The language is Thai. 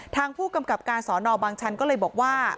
ทางผู้กำกับการสอนอบางชันก็เลยบอกว่า